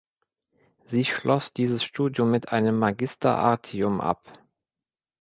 Sie schloss dieses Studium mit einem Magister artium ab.